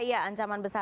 iya ancaman besar